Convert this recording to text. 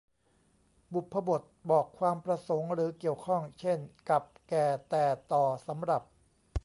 บุพบทบอกความประสงค์หรือเกี่ยวข้อง เช่น กับ แก่ แต่ ต่อ สำหรับ